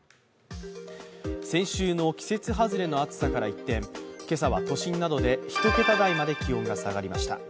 先週の季節外れの暑さから一転、今朝は都心などで１桁台まで気温が下がりました。